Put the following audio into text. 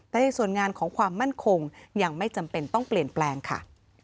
แต่ในส่วนงานของความมั่นคงยังไม่จำเป็นต้องเปลี่ยนแปลงค่ะ